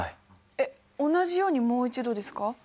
えっ同じようにもう一度ですか？